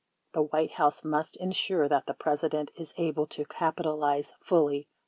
The White House must ensure that the President is able to capitalize fully upon this asset.